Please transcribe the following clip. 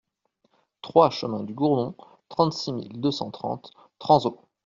trois chemin du Gourdon, trente-six mille deux cent trente Tranzault